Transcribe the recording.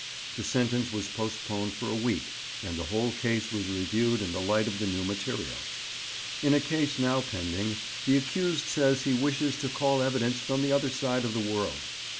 The sentence was postponed for a week, and the whole case was reviewed in the light of the new material. In a case now pending the accused says he wishes to call evidence from the other side of the world.